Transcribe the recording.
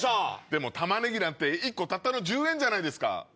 でも玉ネギなんて１個たったの１０円じゃないですか。